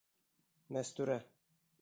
Мәстүрә